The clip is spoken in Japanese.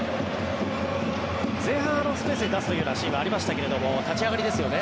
前半、スペースに出すようなシーンはありましたが立ち上がりですよね。